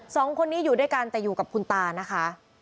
สองคนนี้อยู่ด้วยกันแต่อยู่กับคุณตานะคะ